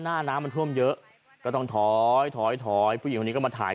นั่นขึ้นพอดหน้าบ้าน